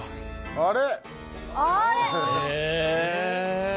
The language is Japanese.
あれ？